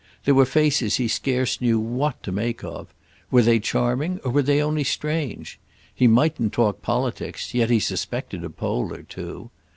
There were faces he scarce knew what to make of. Were they charming or were they only strange? He mightn't talk politics, yet he suspected a Pole or two.